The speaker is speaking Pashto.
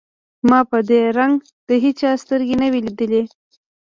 ما په دې رنگ د هېچا سترګې نه وې ليدلې.